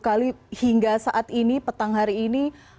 dan ini hingga saat ini petang hari ini